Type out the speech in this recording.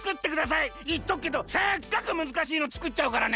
いっとくけどすっごくむずかしいのつくっちゃうからね。